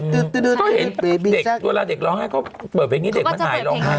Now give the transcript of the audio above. ก็เห็นเด็กเวลาเด็กร้องให้เขาเปิดเพลงนี้เด็กมันหายลง